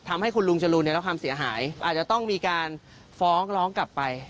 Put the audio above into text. ทำให้คุณลุงจรูนรับความเสียหายอาจจะต้องมีการฟ้องร้องกลับไป